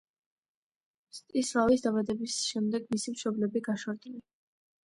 მსტისლავის დაბადების შემდეგ მისი მშობლები გაშორდნენ.